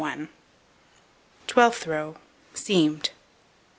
Twelfth row: Seamed.